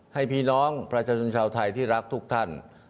พี่น้องประชาชนชาวไทยที่รักทุกท่าน